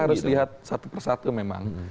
kita harus lihat satu persatu memang